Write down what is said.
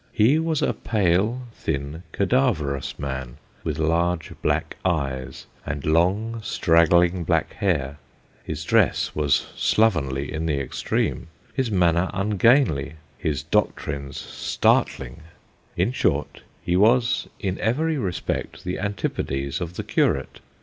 He was a pale, thin, cadaverous man, with large black eyes, and long straggling black hair : his dress was slovenly in the extreme, his manner ungainly, his doctrines startling ; in short, he was in every respect the antipodes of the curate.